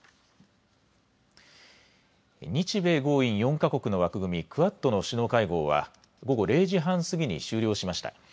日米豪印４か国の枠組みクアッドの首脳会合は午後０時半過ぎに終了しました。